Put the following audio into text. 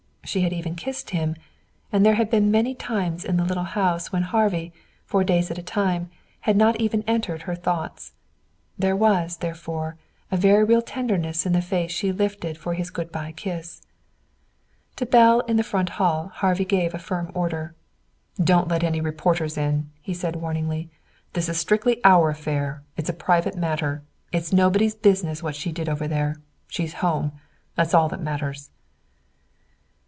She had even kissed him. And there had been many times in the little house when Harvey, for days at a time, had not even entered her thoughts. There was, therefore, a very real tenderness in the face she lifted for his good by kiss. To Belle in the front hall Harvey gave a firm order. "Don't let any reporters in," he said warningly. "This is strictly our affair. It's a private matter. It's nobody's business what she did over there. She's home. That's all that matters."